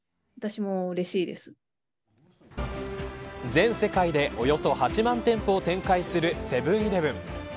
全世界でおよそ８万店舗を展開するセブン‐イレブン。